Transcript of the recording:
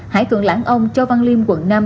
hải thượng lãng ông châu văn liêm quận năm